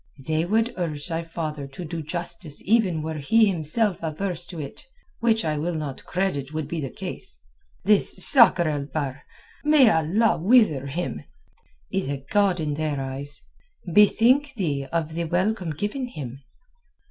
They would urge thy father to do justice even were he himself averse to it, which I will not credit would be the case. This Sakr el Bahr—may Allah wither him!—is a god in their eyes. Bethink thee of the welcome given him!